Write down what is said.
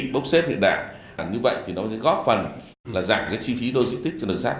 bốc xếp hiện đại như vậy thì nó sẽ góp phần là giảm cái chi phí logistics cho đường sắt